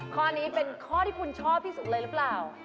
ข้อนี้เป็นข้อที่คุณชอบที่สุดเลยหรือเปล่า